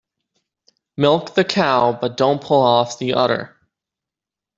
Milk the cow but don't pull off the udder.